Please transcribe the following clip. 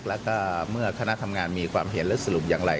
แล้วก็เมื่อคณะทำงานมีความเห็นและสรุปอย่างไร